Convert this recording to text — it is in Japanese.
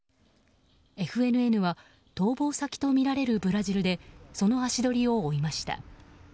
ＦＮＮは逃亡先とみられるブラジルでその足取りを追いました。